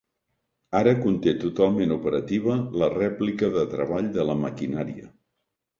Ara conté totalment operativa, la rèplica de treball de la maquinària.